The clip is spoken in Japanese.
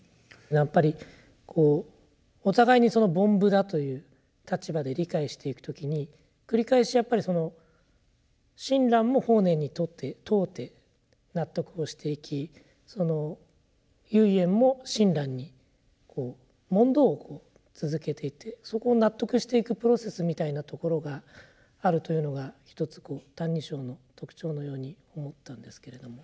やっぱりこうお互いに「凡夫」だという立場で理解していく時に繰り返しやっぱりその親鸞も法然に問うて納得をしていきその唯円も親鸞に問答を続けていってそこを納得していくプロセスみたいなところがあるというのがひとつ「歎異抄」の特徴のように思ったんですけれども。